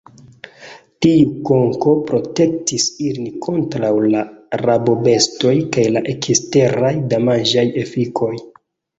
Tiu konko protektis ilin kontraŭ la rabobestoj kaj la eksteraj damaĝaj efikoj.